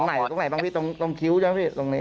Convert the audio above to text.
ไหนตรงไหนบ้างพี่ตรงคิ้วใช่ไหมพี่ตรงนี้